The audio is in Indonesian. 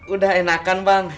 udah enakan bang